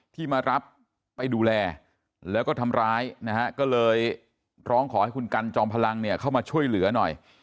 ที่มารับไปดูแลแล้วก็ทำร้ายนะฮะก็เลยร้องขอให้คุณกันจอมพลังเนี่ยเข้ามาช่วยเหลือหน่อย